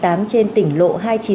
trên tỉnh lộ hai trăm chín mươi ba